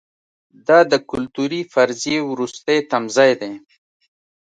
دا د کلتوري فرضیې وروستی تمځای دی.